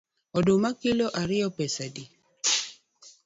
Oduma kilo ariyo pesa adi?